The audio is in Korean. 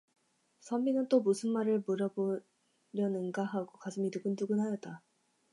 선비는 또 무슨 말을 물어 보려는가 하고 가슴이 두근두근하였다.